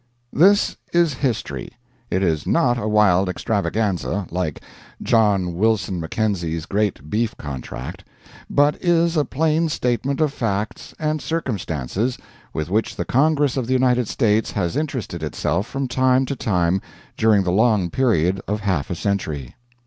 ] This is history. It is not a wild extravaganza, like "John Wilson Mackenzie's Great Beef Contract," but is a plain statement of facts and circumstances with which the Congress of the United States has interested itself from time to time during the long period of half a century.